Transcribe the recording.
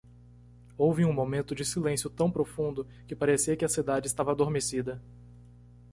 Houve um momento de silêncio tão profundo que parecia que a cidade estava adormecida.